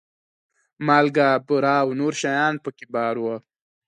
مالګه، بوره او نور شیان په کې بار وو.